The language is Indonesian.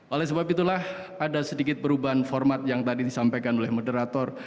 oleh sebab itulah ada sedikit perubahan format yang tadi disampaikan oleh moderator